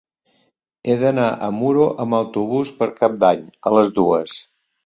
He d'anar a Muro amb autobús per Cap d'Any a les dues.